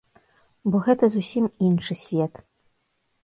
Бо гэта зусім іншы свет.